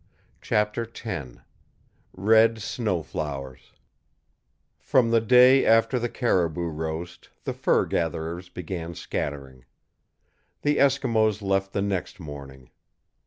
CHAPTER X RED SNOW FLOWERS From the day after the caribou roast the fur gatherers began scattering. The Eskimos left the next morning.